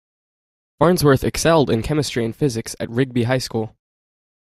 Farnsworth excelled in chemistry and physics at Rigby High School.